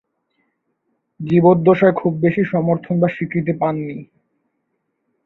জীবদ্দশায় খুব বেশি সমর্থন বা স্বীকৃতি পাননি।